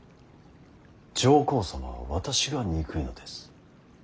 上皇様は私が憎いのです。